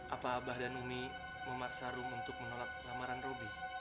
apa abah dan umi memaksa rum untuk menolak lamaran robi